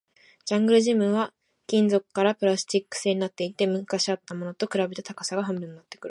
ジャングルジムは金属からプラスチック製になっていて、昔あったものと比べて高さが半分くらいになっている